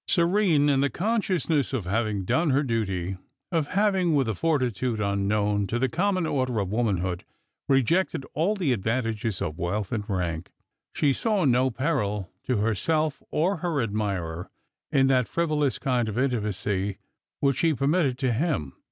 Serene in the consciousness of having done her duty, of having, with a fortitude uukiiowu to the common order of womankind, rejected all the advantages of wealth and rank, she saw no peril to herself or her admirer in that frivolous kind of intimacy which she permitted to him.